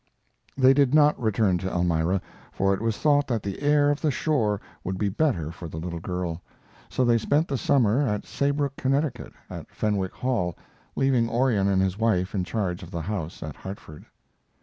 They did not return to Elmira, for it was thought that the air of the shore would be better for the little girl; so they spent the summer at Saybrook, Connecticut, at Fenwick Hall, leaving Orion and his wife in charge of the house at Hartford.